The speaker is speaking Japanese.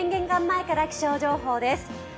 前から気象情報です